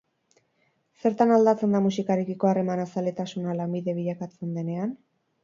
Zertan aldatzen da musikarekiko harremana zaletasuna lanbide bilakatzen denean?